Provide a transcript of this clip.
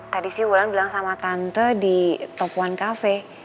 tadi sih bulan bilang sama tante di top one cafe